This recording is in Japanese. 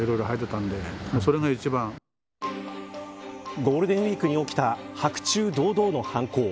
ゴールデンウイークに起きた白昼堂々の犯行。